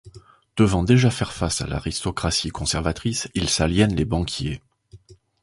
Devant déjà faire face à l'aristocratie conservatrice, il s'aliène les banquiers.